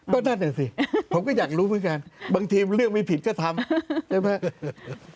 ก็นั่นแหละสิผมก็อยากรู้เหมือนกันบางทีเรื่องไม่ผิดก็ทำใช่ไหม